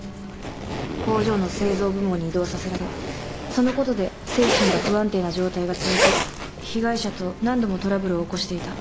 工場の製造部門に異動させられそのことで精神が不安定な状態が続き被害者と何度もトラブルを起こしていた。